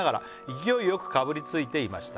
「勢いよくかぶりついていました」